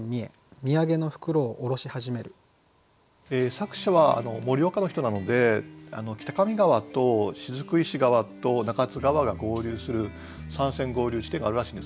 作者は盛岡の人なので北上川と雫石川と中津川が合流する三川合流地点があるらしいんですね。